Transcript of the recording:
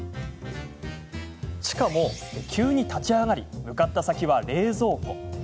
しかも急に立ち上がり向かった先は冷蔵庫。